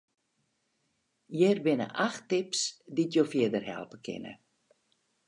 Hjir binne acht tips dy't jo fierder helpe kinne.